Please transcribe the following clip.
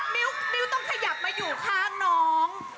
มิ้วต้องขยับมาอยู่ข้างน้อง